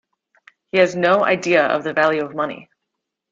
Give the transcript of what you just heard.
He has no idea of the value of money.